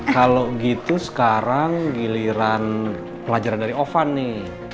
kalau gitu sekarang giliran pelajaran dari ovan nih